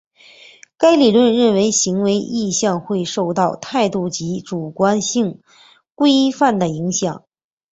该理论认为行为意向会受到态度及主观性规范的影响。